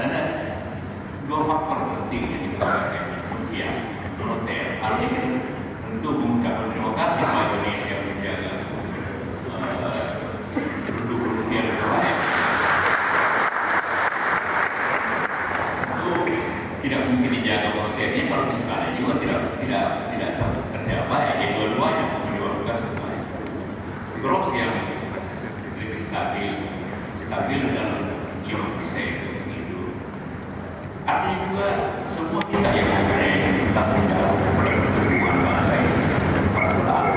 semua orang di dunia ini merasa bahwa apb atau kejuruteraan tidak sebanyak apb di mana mana